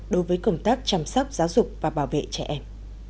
đối với công tác chăm sóc giáo dục và bảo vệ trẻ em